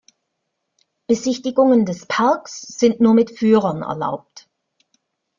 Besichtigungen des Parks sind nur mit Führern erlaubt.